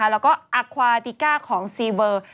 แล้วก็อัควาติก้าของซีเวอร์